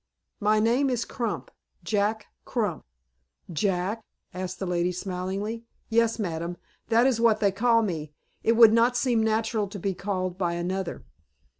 "My name is Crump Jack Crump." "Jack?" said the lady, smiling. "Yes, madam; that is what they call me. It would not seem natural to be called by another."